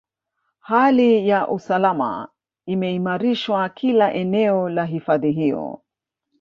Hali ya usalama imeimarishwa kila eneo la hifadhi hiyo